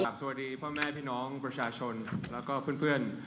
คุณแม่พี่น้องประชาชนแล้วก็เพื่อน